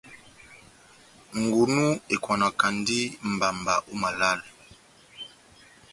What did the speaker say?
Ngunu ekwanakandi mbamba ό malale.